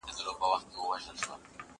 په دې ښار كي يې جوړ كړى يو ميدان وو